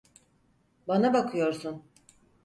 Bana bakıyorsun.